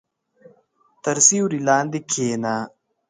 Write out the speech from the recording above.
• تر سیوري لاندې کښېنه.